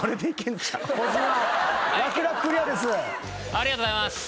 ありがとうございます。